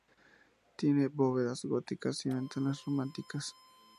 Tiene bóvedas góticas y ventanas románicas.